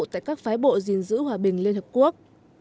tại các phái bộ gìn giữ hòa bình liên hợp quốc